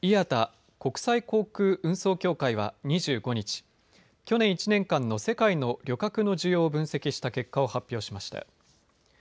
・国際航空運送協会は２９日、去年１年間の世界の旅客の需要を分析した結果を発表しました。